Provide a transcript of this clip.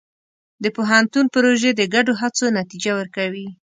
د پوهنتون پروژې د ګډو هڅو نتیجه ورکوي.